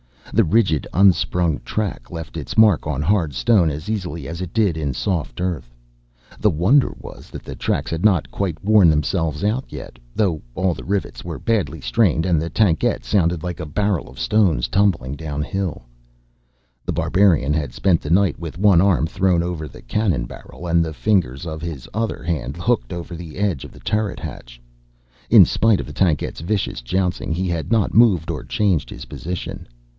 The rigid, unsprung track left its mark on hard stone as easily as it did in soft earth. The wonder was that the tracks had not quite worn themselves out as yet, though all the rivets were badly strained and the tankette sounded like a barrel of stones tumbling downhill. The Barbarian had spent the night with one arm thrown over the cannon barrel and the fingers of his other hand hooked over the edge of the turret hatch. In spite of the tankette's vicious jouncing, he had not moved or changed his position.